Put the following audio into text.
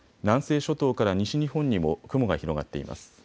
南西諸島から西日本にも雲が広がっています。